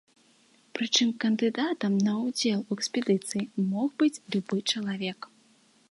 Прычым кандыдатам на ўдзел у экспедыцыі мог быць любы чалавек.